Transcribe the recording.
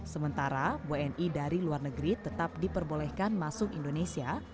sementara wni dari luar negeri tetap diperbolehkan masuk indonesia